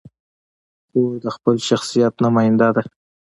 خور د خپل شخصیت نماینده ده.